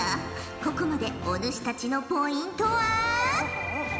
ここまでお主たちのポイントは。